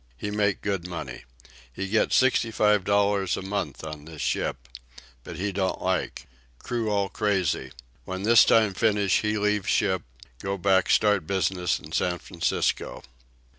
He make good money. He get sixty five dollars a month on this ship. But he don't like. Crew all crazy. When this time finish he leave ship, go back start business in San Francisco."